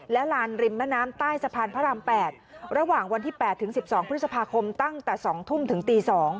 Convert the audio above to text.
และลานริมแม่น้ำใต้สะพานพระราม๘ระหว่างวันที่๘ถึง๑๒พฤษภาคมตั้งแต่๒ทุ่มถึงตี๒